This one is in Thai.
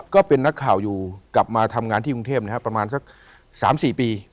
ก็เป็นนักข่าวอยู่กลับมาทำงานที่กรุงเทพประมาณสัก๓๔ปี